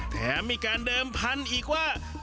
แถมมีการเดิมพันธุ์อีกว่า